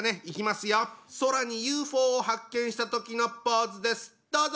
「空にＵＦＯを発見したとき」のポーズですどうぞ！